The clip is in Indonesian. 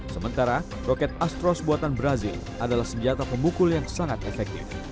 sementara roket astros buatan brazil adalah senjata pemukul yang sangat efektif